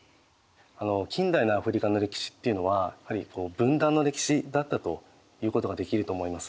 近代のアフリカの歴史っていうのはやはり分断の歴史だったということができると思います。